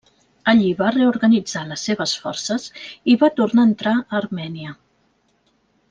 Allí va reorganitzar les seves forces i va tornar a entrar a Armènia.